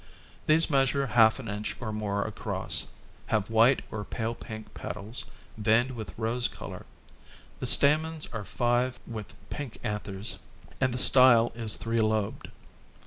These measure half an inch or more across, have five white or pale pink petals, veined with rose color; the stamens are five with pink anthers, and the style is three lobed.